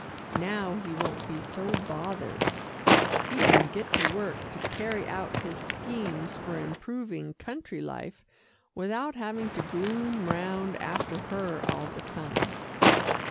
Now he won't be so bothered. He can get to work to carry out his schemes for improving country life without having to gloom round after her all the time."